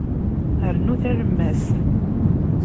Rnu talemmast.